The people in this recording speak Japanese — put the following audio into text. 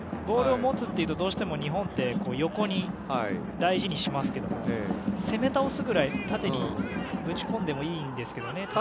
ボールを持つというとどうしても日本って横に、大事にしますけども攻め倒すぐらい、縦にぶち込んでもいいんですけどね。